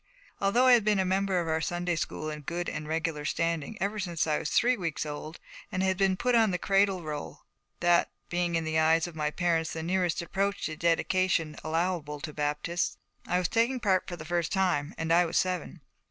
Although I had been a member of our Sunday school in good and regular standing ever since I was three weeks old, and had been put on the Cradle Roll, that being in the eyes of my parents the nearest approach to dedication allowable to Baptists, I was taking part for the first time, and I was seven.